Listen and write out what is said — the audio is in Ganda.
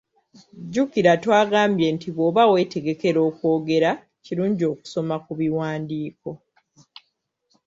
Jjukira twagambye nti bw’oba weetegekera okwogera kirungi okusoma ku biwandiiko.